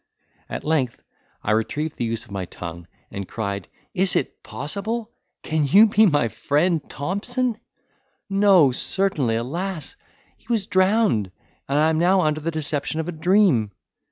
At length, I retrieved the use of my tongue, and cried, "Is it possible! you can be my friend Thompson? No certainly, alas! he was drowned; and I am now under the deception of a dream!"